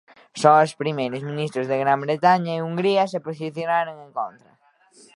Só os primeiros ministros de Gran Bretaña e Hungría se posicionaron en contra.